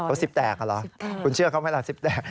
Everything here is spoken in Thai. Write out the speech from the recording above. เพราะซิปแตกอ่ะเหรอคุณเชื่อเขาไม่แล้วซิปแตก